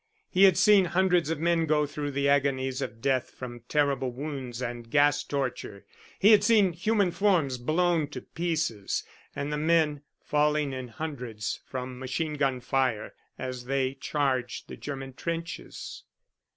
He had seen hundreds of men go through the agonies of death from terrible wounds and gas torture; he had seen human forms blown to pieces, and the men falling in hundreds from machine gun fire as they charged the German trenches.